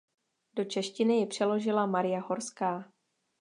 Do češtiny ji přeložila Marie Horská.